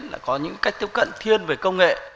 lại có những cách tiếp cận thiên về công nghệ